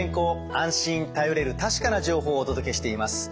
安心頼れる確かな情報をお届けしています。